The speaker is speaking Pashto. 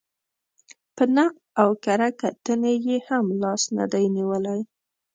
په نقد او کره کتنې یې هم لاس نه دی نېولی.